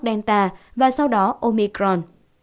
delta và sau đó omicron